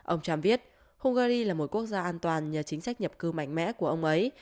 ông trump biết hungary là một quốc gia an toàn nhờ chính sách nhập cư mạnh mẽ của ông ấy